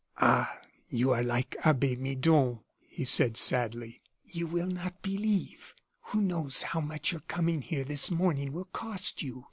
"Ah! you are like Abbe Midon," he said, sadly; "you will not believe. Who knows how much your coming here this morning will cost you?